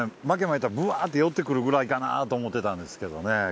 マキエまいたらブワって寄ってくるぐらいかなと思ってたんですけどね